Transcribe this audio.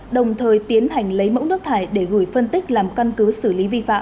đồng thời tiến hành lấy mẫu nước thải để gửi phân tích làm căn cứ xử lý vi phạm